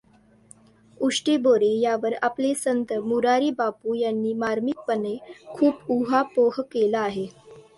उष्टी बोरे यावर आपले संत मुरारी बापू यांनी मार्मिकपणे खूप ऊहापोह केला आहे.